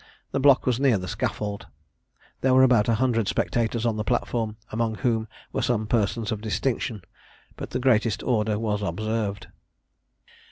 The block was near the scaffold. There were about a hundred spectators on the platform, among whom were some persons of distinction, but the greatest order was observed.